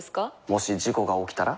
もし事故が起きたら？